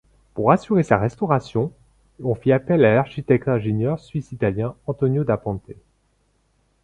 Pour assurer sa restauration, on fit appel à l'architecte-ingénieur suisse-italien Antonio da Ponte.